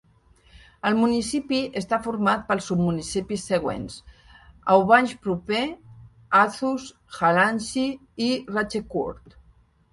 El municipi està format pels submunicipis següents: Aubange proper, Athus, Halanzy i Rachecourt.